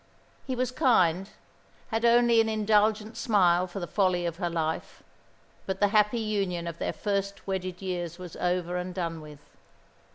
He was kind, had only an indulgent smile for the folly of her life, but the happy union of their first wedded years was over and done with.